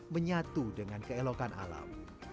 menyatu dengan keelokan alam